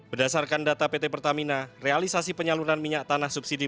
berdasarkan data pt pertamina realisasi penyaluran minyak tanah subsidi